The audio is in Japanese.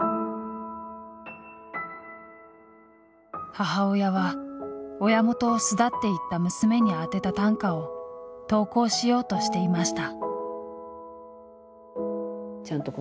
母親は親元を巣立っていった娘に宛てた短歌を投稿しようとしていました。